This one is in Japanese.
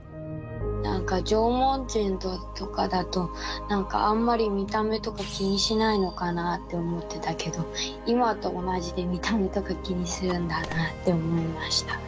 なんか縄文人とかだとなんかあんまり見た目とか気にしないのかなあって思ってたけど今と同じで見た目とか気にするんだなあって思いました。